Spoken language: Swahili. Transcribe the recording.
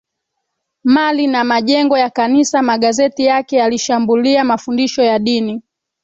mali na majengo ya Kanisa magazeti yake yalishambulia mafundisho ya dini